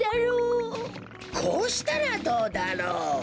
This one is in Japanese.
こうしたらどうだろう？